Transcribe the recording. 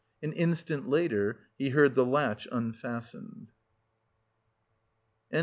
An instant later he heard the latch unfastened.